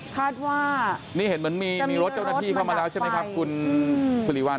ภาดว่ามีรถเจ้าหน้าที่เข้ามาแล้วใช่ไหมคะคุณสุริวัณ